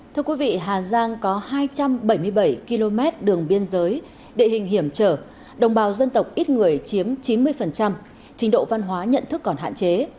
thưa quý vị hà giang có hai trăm bảy mươi bảy km đường biên giới địa hình hiểm trở đồng bào dân tộc ít người chiếm chín mươi trình độ văn hóa nhận thức còn hạn chế